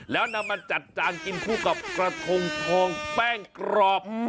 แล้วนำมาจัดจานกินคู่กับกระทงทองแป้งกรอบ